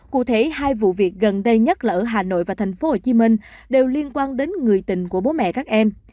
cụ thể hai vụ việc gần đây nhất ở hà nội và thành phố hồ chí minh đều liên quan đến người tình của bố mẹ các em